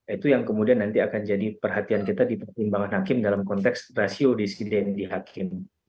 itu yang kemudian nanti akan jadi perhatian kita di pertimbangan hakim dalam konteks rasio disiden di hakim